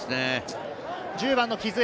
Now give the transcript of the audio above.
１０番の木津へ。